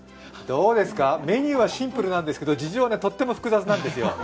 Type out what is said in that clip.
どうですか、メニューはシンプルなんですけど、事情はとっても複雑なんですよ。